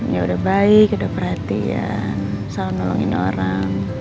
ya udah baik udah perhatian soal nolongin orang